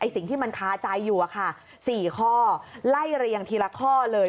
สิ่งที่มันคาใจอยู่๔ข้อไล่เรียงทีละข้อเลย